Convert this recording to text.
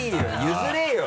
譲れよ！